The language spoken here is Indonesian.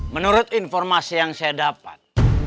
menurut informasi yang saya dapat